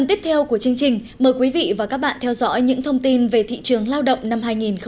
tiếp theo của chương trình mời quý vị và các bạn theo dõi những thông tin về thị trường lao động năm hai nghìn một mươi chín